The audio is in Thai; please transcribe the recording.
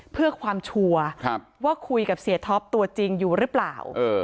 เพื่อความชัวร์ว่าคุยกับเสียท็อปตัวจริงอยู่หรือเปล่า